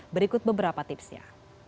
berikut beberapa tipsnya